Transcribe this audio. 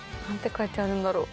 書いてあるんだろう？